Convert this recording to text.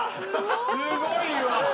すごいわ！